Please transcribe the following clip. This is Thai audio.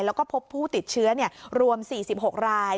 แล้วก็พบผู้ติดเชื้อรวม๔๖ราย